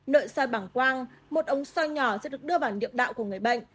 nội soi bảng quang một ống soi nhỏ sẽ được đưa vào niệm đạo của người bệnh